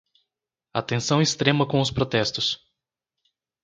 Atenção extrema com os protestos